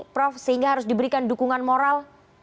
prof sehingga harus diberikan dukungan moral